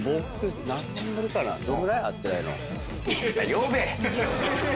呼べ！